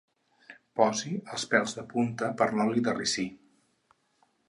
Posi els pèls de punta per l'oli de ricí.